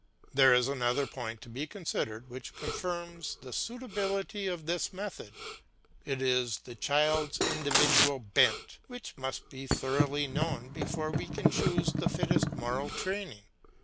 There is another point to be considered which confirms the suitability of this method: it is the child's individual bent, which must be thoroughly known before we can choose the fittest moral training.